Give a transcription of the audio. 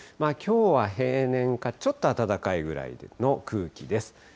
きょうは、平年かちょっと暖かいぐらいの空気です。